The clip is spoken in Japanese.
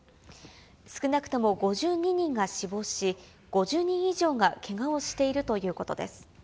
少なくとも５２人が死亡し、５０人以上がけがをしているということです。